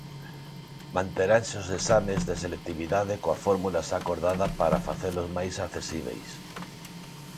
Manteranse os exames de selectividade coa fórmula xa acordada para facelos máis accesíbeis.